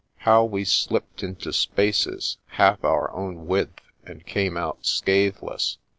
How we slipped into spaces half our own width and came out scathe less.